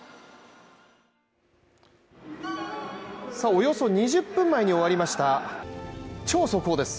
およそ２０分前に終わりました超速報です。